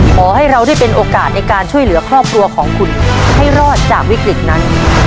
ขอให้เราได้เป็นโอกาสในการช่วยเหลือครอบครัวของคุณให้รอดจากวิกฤตนั้น